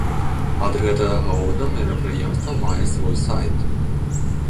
Ад гэтага года мерапрыемства мае свой сайт.